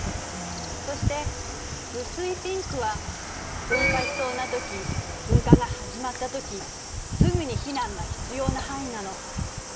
そして薄いピンクは噴火しそうなとき噴火が始まったときすぐに避難が必要な範囲なの。